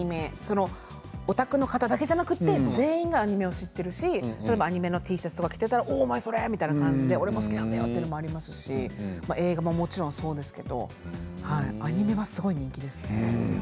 オタクの方だけじゃなく全員がアニメを知っているしアニメのＴシャツを着ていたらおお、お前それ好きなんだよというのもありますし映画ももちろんそうなんですけれどもアニメすごい人気ですね。